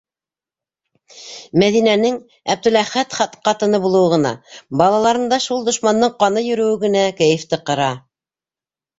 Мәҙинәнең Әптеләхәт ҡатыны булыуы ғына, балаларында шул дошмандың ҡаны йөрөүе генә кәйефте ҡыра.